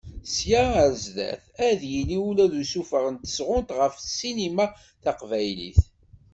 Sya ar sdat, ad d-yili ula usuffeɣ n tesɣunt ɣef ssinima taqbaylit.